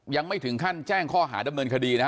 ยังไม่ถึงขั้นแจ้งข้อหาดำเนินคดีนะฮะ